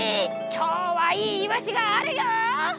きょうはいいいわしがあるよ！